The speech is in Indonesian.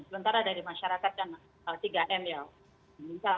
sementara dari masyarakat kan tiga m ya